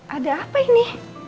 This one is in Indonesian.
ada apa ini